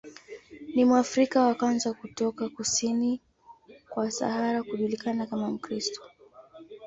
Ni Mwafrika wa kwanza kutoka kusini kwa Sahara kujulikana kama Mkristo.